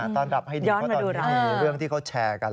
ต้อนรับให้ดีเพราะตอนที่มีเรื่องที่เขาแชร์กัน